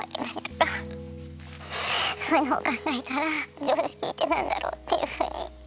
そういうの考えたら常識って何だろうっていうふうに。